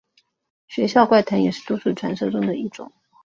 学校怪谈也是都市传说的一种。